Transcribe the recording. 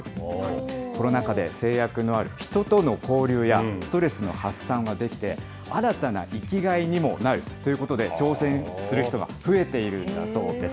コロナ禍で制約のある人との交流や、ストレスの発散ができて、新たな生きがいにもなるということで、挑戦する人が増えているんだそうです。